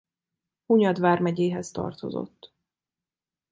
Hunyad vármegyéhez tartozott.